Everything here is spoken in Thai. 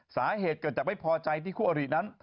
สาเหตุเกิดจากไม่พอใจที่คู่อรินั้น